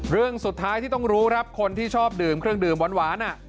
เรื่องสุดท้ายที่ต้องรู้ครับคนที่ชอบดื่มเครื่องดื่มหวาน